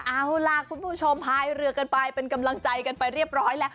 เอาล่ะคุณผู้ชมพายเรือกันไปเป็นกำลังใจกันไปเรียบร้อยแล้ว